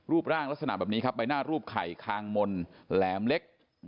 ร่างลักษณะแบบนี้ครับใบหน้ารูปไข่คางมนต์แหลมเล็ก